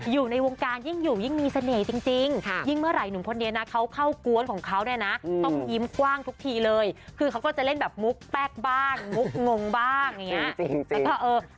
อยู่ในวงการยิ่งอยู่ยิ่งมีเสน่ห์จริงยิ่งเมื่อไหนุ่มคนนี้นะเขาเข้ากวนของเขาเนี่ยนะต้องยิ้มกว้างทุกทีเลยคือเขาก็จะเล่นแบบมุกแป๊กบ้างมุกงงบ้างอย่างนี้